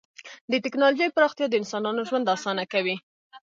د ټکنالوژۍ پراختیا د انسانانو ژوند اسانه کوي.